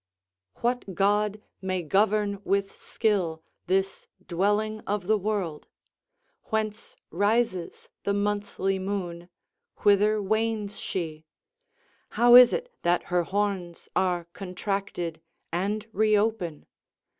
["What god may govern with skill this dwelling of the world? whence rises the monthly moon, whither wanes she? how is it that her horns are contracted and reopen?